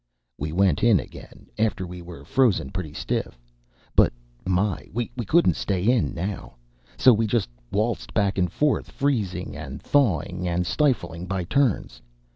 We went in again after we were frozen pretty stiff; but my, we couldn't stay in, now. So we just waltzed back and forth, freezing, and thawing, and stifling, by turns.